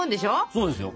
そうですよ。